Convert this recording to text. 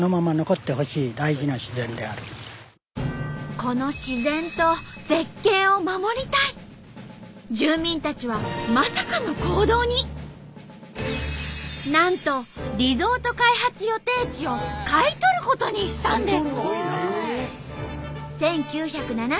この住民たちはなんとリゾート開発予定地を買い取ることにしたんです。